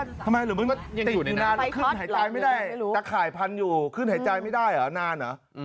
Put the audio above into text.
ยังอยู่นานแต่ข่ายพันอยู่ขึ้นหายใจไม่ได้หรอนานเหรอ